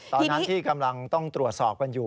ตอนนั้นที่กำลังต้องตรวจสอบกันอยู่